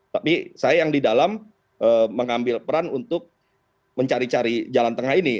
tapi saya yang di dalam mengambil peran untuk mencari cari jalan tengah ini